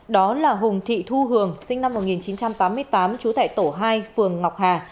đó là hùng thị thu hường sinh năm một nghìn chín trăm tám mươi tám trú tại tổ hai phường ngọc hà